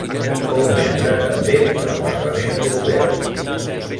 Fou membre també del Parlament Europeu.